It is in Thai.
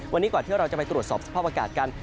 วันนี้ก่อนที่เราจะไปตรวจสอบสภาพอากาศกัน